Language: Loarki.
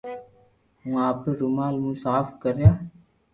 ھون آپري رومال مون صاف ڪريا